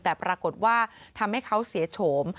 แต่ปรากฏว่าทำให้เขาเสียโฉม